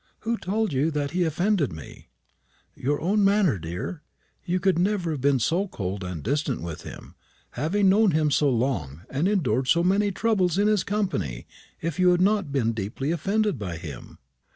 "Who told you that he offended me?" "Your own manner, dear. You could never have been so cold and distant with him having known him so long, and endured so many troubles in his company if you had not been deeply offended by him."